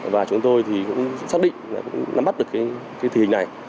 và chúng tôi thì cũng xác định là cũng nắm bắt được tình hình này